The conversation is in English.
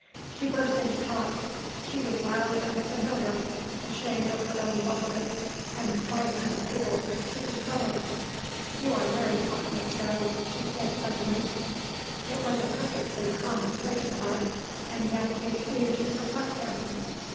She burst into talk; she was loud and familiar ashamed of her own boldness, and quite unable to control it. "You are very fond of Zo!" she said suddenly. It was a perfectly commonplace remark and yet, it seemed to perplex him.